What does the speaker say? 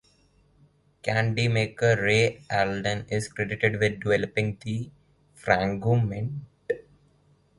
Candy maker Ray Alden is credited with developing the Frango Mint.